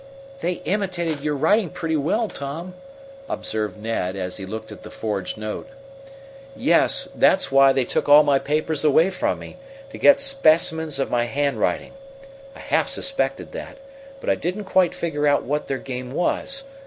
"They imitated your writing pretty well, Tom," Observed Ned, as he looked at the forged note. "Yes; that's why they took all my papers away from me to get specimens of my handwriting. I half suspected that, but I didn't quite figure out what their game was.